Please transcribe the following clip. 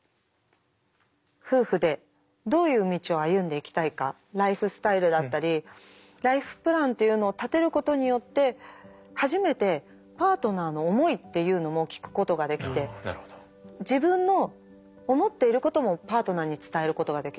夫婦でどういう道を歩んでいきたいかライフスタイルだったりライフプランというのを立てることによって初めてパートナーの思いっていうのも聞くことができて自分の思っていることもパートナーに伝えることができる。